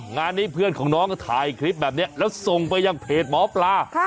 งานนี้เพื่อนของน้องก็ถ่ายคลิปแบบนี้แล้วส่งไปยังเพจหมอปลา